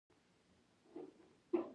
د عقل پر معامله هیڅ اوښیار نه دی لېدلی.